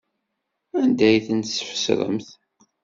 Anda ay ten-tfesremt?